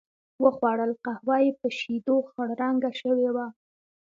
و خوړل، قهوه په شیدو خړ رنګه شوې وه.